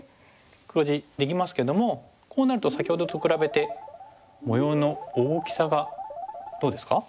黒地できますけども先ほどと比べて模様の大きさがどうですか？